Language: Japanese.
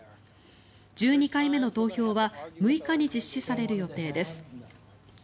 １２回目の投票は６日に実施される予定です。